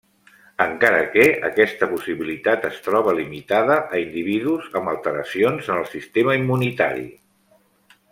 Encara que aquesta possibilitat es troba limitada a individus amb alteracions en el sistema immunitari.